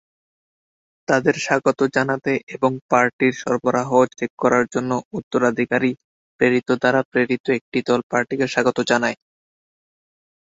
তাদের স্বাগত জানাতে এবং পার্টির সরবরাহ চেক করার জন্য উত্তরাধিকারী-প্রেরিত দ্বারা প্রেরিত একটি দল পার্টিকে স্বাগত জানায়।